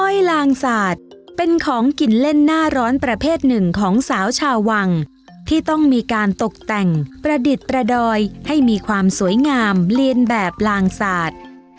ลางสาดเป็นของกินเล่นหน้าร้อนประเภทหนึ่งของสาวชาววังที่ต้องมีการตกแต่งประดิษฐ์ประดอยให้มีความสวยงามเรียนแบบลางศาสตร์